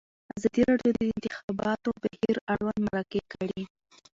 ازادي راډیو د د انتخاباتو بهیر اړوند مرکې کړي.